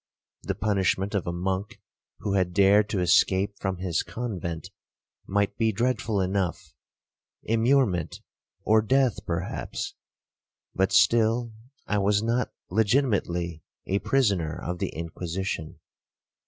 The punishment of a monk who had dared to escape from his convent, might be dreadful enough,—immurement, or death perhaps, but still I was not legitimately a prisoner of the Inquisition.